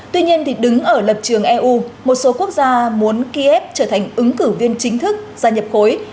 tuy nhiên đứng ở lập trường eu một số quốc gia muốn kiev trở thành ứng cử viên chính thức gia nhập khối